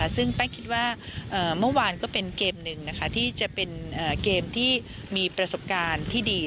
ซึ่งแป้งคิดว่าเมื่อวานก็เป็นเกมหนึ่งที่จะเป็นเกมที่มีประสบการณ์ที่ดี